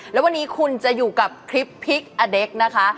แล้ววันนี้คุณจะอยู่กับคลิปพลิกอเด็กนะคะ